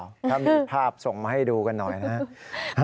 ถ้ามีภาพส่งมาให้ดูกันหน่อยนะครับ